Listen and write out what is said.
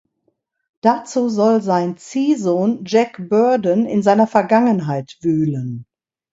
Dazu soll sein Ziehsohn Jack Burden in seiner Vergangenheit wühlen.